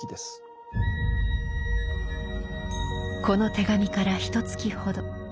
この手紙からひとつきほど。